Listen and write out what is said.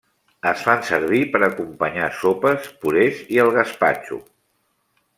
Es fan servir per acompanyar sopes, purés i el gaspatxo.